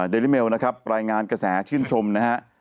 เดริเมลนะครับรายงานกระแสชื่นชมนะฮะ